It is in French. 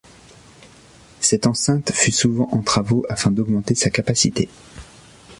Cette enceinte fut souvent en travaux afin d'augmenter sa capacité.